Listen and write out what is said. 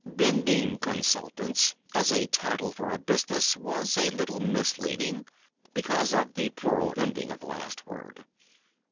Bending Consultants, as a title for a business, was a little misleading because of the plural ending of the last word.